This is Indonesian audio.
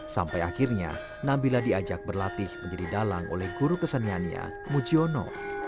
sampai akhirnya nabila diajak berlatih menjadi dalang oleh guru keseniannya mujiono